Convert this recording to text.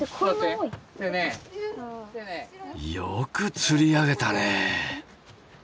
よく釣り上げたね！